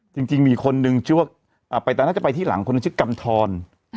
จริงมีคนนึงชื่อว่าไปตอนนั้นจะไปที่หลังคนชื่อกำทร